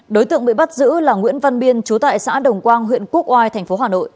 đối tượng bị bắt giữ là nguyễn văn biên chú tại xã đồng quang huyện quốc oai tp hcm